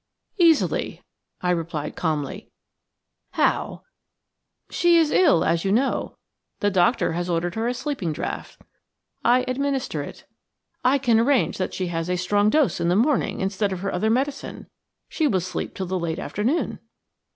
"Easily," I replied calmly. "How?" "She is ill, as you know. The doctor has ordered her a sleeping draught. I administer it. I can arrange that she has a strong dose in the morning instead of her other medicine. She will sleep till the late afternoon."